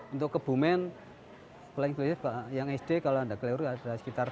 untuk kebumen kelas inklusif yang sd kalau anda kelihatan ada sekitar dua puluh